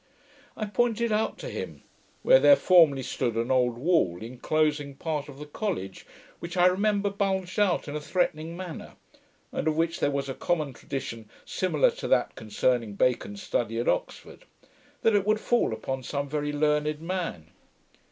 I pointed out to him where there formerly stood an old wall enclosing part of the college, which I remember bulged out in a threatening manner, and of which there was a common tradition similar to that concerning Bacon's study at Oxford, that it would fall upon some very learned man.